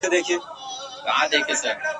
ستا سي کلی شپو خوړلی ..